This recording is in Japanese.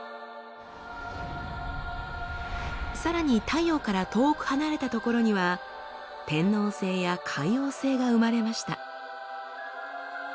さらに太陽から遠く離れた所には天王星や海王星が生まれました。